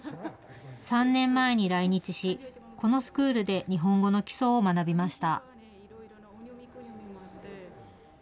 ３年前に来日し、このスクールで日本語の基礎を学びました。